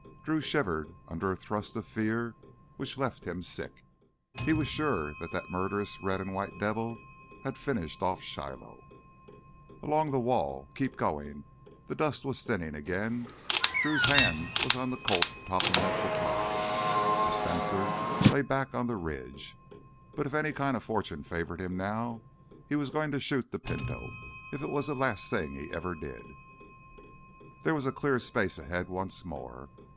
Drew shivered under a thrust of fear which left him sick. He was sure that that murderous red and white devil had finished off Shiloh. Along the wall ... keep going.... The dust was thinning again. Drew's hand was on the Colt Topham had supplied. The Spencer lay back on the ridge. But if any kind of fortune favored him now, he was going to shoot the Pinto—if it was the last thing he ever did. There was a clear space ahead once more.